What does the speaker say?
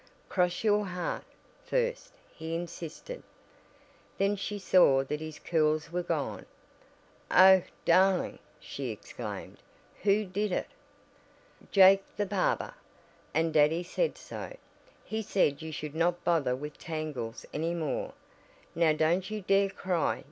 "Cross your heart, first," he insisted. Then she saw that his curls were gone. "Oh, darling!" she exclaimed, "who did it?" "Jake, the barber. And daddy said so. He said you should not bother with tangles any more. Now don't you dare cry.